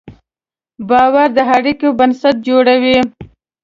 باور د اړیکې بنسټ جوړوي.